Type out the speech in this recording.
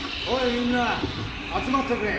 みんな集まってくれ。